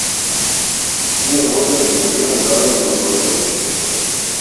Пијам вода, и го гледам залезот на своите очи.